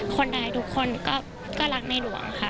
คนใดทุกคนก็รักในหลวงค่ะ